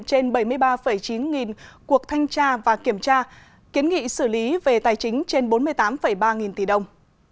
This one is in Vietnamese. trên bảy mươi ba chín nghìn cuộc thanh tra và kiểm tra kiến nghị xử lý về tài chính trên bốn mươi tám ba nghìn tỷ đồng